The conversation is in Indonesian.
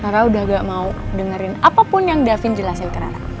karena udah gak mau dengerin apapun yang davin jelasin ke rana